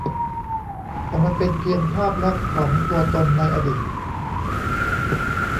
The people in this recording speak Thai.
แต่มันเป็นเพียงภาพลักษณ์ของตัวตนในอดีต